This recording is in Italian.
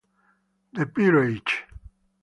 The Peerage